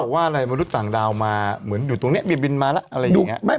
ว่าอะไรมนุษย์ต่างดาวมาเหมือนอยู่ตรงนี้มีบินมาแล้วอะไรอย่างนี้